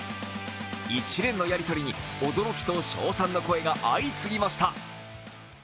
一連のやり取りに驚きと称賛の声が相次ぎました。